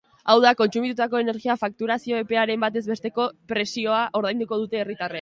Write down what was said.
Hau da, kontsumitutako energia fakturazio-epearen batez besteko presiona ordainduko dute herritarrek.